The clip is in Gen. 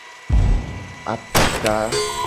Aputa.